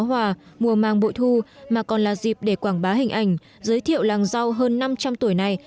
hòa mùa màng bội thu mà còn là dịp để quảng bá hình ảnh giới thiệu làng rau hơn năm trăm linh tuổi này